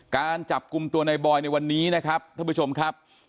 การจับกลุ่มตัวในบอยในวันนี้นะครับท่านผู้ชมครับ